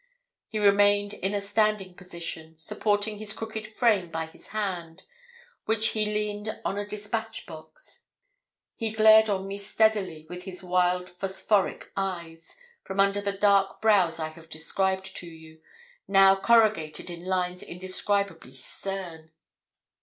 He remained in a standing position, supporting his crooked frame by his hand, which he leaned on a despatch box; he glared on me steadily with his wild phosphoric eyes, from under the dark brows I have described to you, now corrugated in lines indescribably stern.